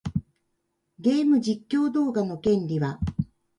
ゲーム実況動画の権利はグレーゾーンを攻めていると思う。